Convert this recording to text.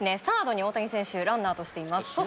サードに大谷選手ランナーとしています。